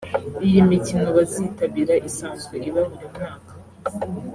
Iyi mikino bazitabira isanzwe iba buri mwaka